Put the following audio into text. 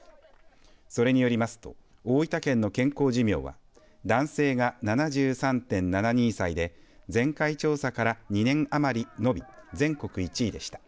それによりますと大分県の健康寿命は男性が７３．７２歳で前回調査から２年余り延び全国１位でした。